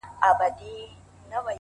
د چا د سترگو د رڼا په حافظه کي نه يم!!